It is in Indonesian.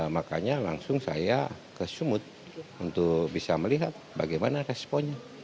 makanya langsung saya ke sumut untuk bisa melihat bagaimana responnya